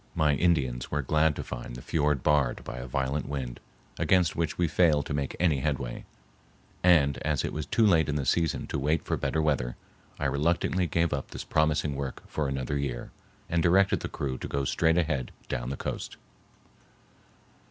My Indians were glad to find the fiord barred by a violent wind, against which we failed to make any headway; and as it was too late in the season to wait for better weather, I reluctantly gave up this promising work for another year, and directed the crew to go straight ahead down the coast.